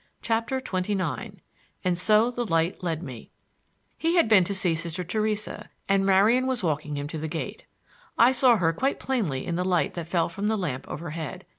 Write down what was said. CHAPTER XXIX AND SO THE LIGHT LED ME He had been to see Sister Theresa, and Marian was walking with him to the gate. I saw her quite plainly in the light that fell from the lamp overhead.